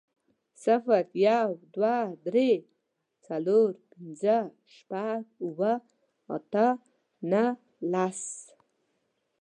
صفر، يو، دوه، درې، څلور، پنځه، شپږ، اووه، اته، نهه، لس